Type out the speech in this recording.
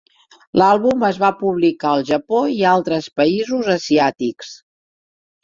L'àlbum es va publicar al Japó i a altres països asiàtics.